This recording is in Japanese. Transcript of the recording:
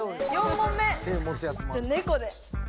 じゃ猫で。